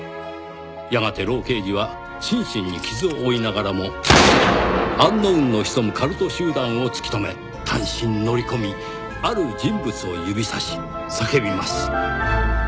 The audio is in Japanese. やがて老刑事は心身に傷を負いながらもアンノウンの潜むカルト集団を突き止め単身乗り込みある人物を指さし叫びます。